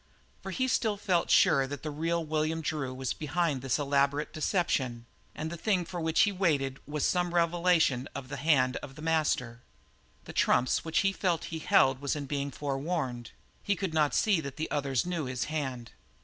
For he still felt sure that the real William Drew was behind this elaborate deception and the thing for which he waited was some revelation of the hand of the master. The trumps which he felt he held was in being forewarned; he could not see that the others knew his hand.